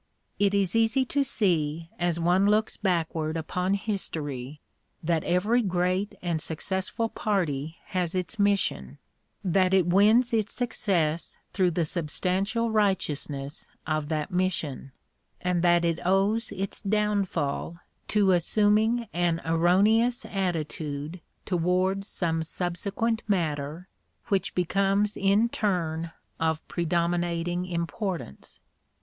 It is easy to see, as one looks backward upon history, that every great and successful party has its mission, that it wins its success through the substantial righteousness of that mission, and that it owes its downfall to assuming an erroneous attitude towards some subsequent matter which becomes in turn of predominating importance.